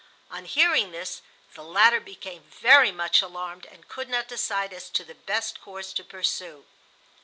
On hearing this the latter became very much alarmed and could not decide as to the best course to pursue.